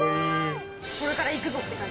これから行くぞって感じ。